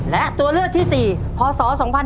และตัวเลือกที่๔พศ๒๕๕๙